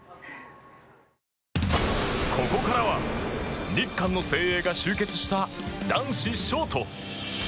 ここからは日韓の精鋭が集結した男子ショート。